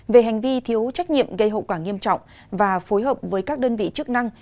về hành vi thiếu trách nhiệm gây hậu quả nghiêm trọng và phối hợp với các đơn vị chức năng